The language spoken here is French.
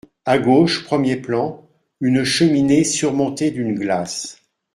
À gauche, premier plan, une cheminée surmontée d’une glace.